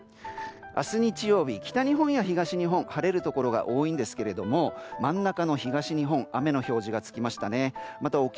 明日日曜日、北日本や東日本晴れるところが多いんですが、真ん中の東日本雨の表示が付きました。